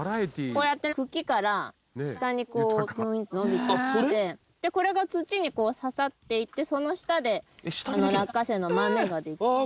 こうやって茎から下にこう伸びてきてこれが土に刺さっていってその下で落花生の豆ができる。